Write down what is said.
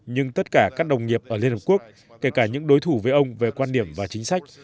nhưng tất cả các đồng nghiệp ở liên hợp quốc kể cả những đối thủ với ông về quan điểm và chính sách